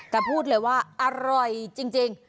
แต่พูดเลยว่าอร่อยจริง